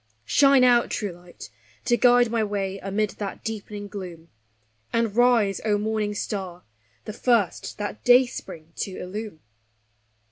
Shine out, true Light ! to guide my way amid that deepening gloom, And rise, () Morning Star, the first that dayspring to illume!